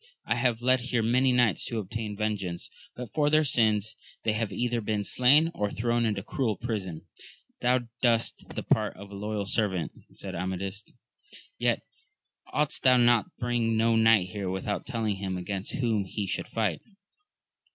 I have led here many knights to obtain vengeance, but for their sins they have either been slain or thrown into cruel prison. Thou dbest the part of a loyal servant, said Amadis ; yet oughtest thou to bring no knight here without telling him against whom he should fight.